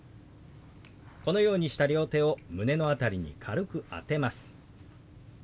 このようにした両手を胸の辺りに軽く当てます。